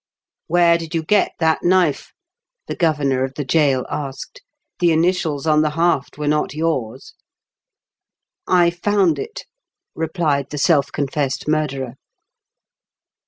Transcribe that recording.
"Where did you get that knife?" the governor of the gaol asked. " The initials on the haft were not yours." "I found it," replied the self confessed murderer.